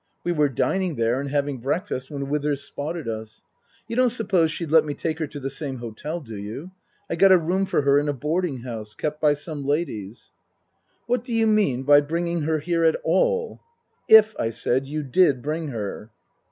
We were dining there and having breakfast when Withers spotted us. You don't suppose she'd let me take her to the same hotel, do you ? I got a room for her in a boarding house. Kept by some ladies." " What do you mean by bringing her here at all ? If," I said, " you did bring her."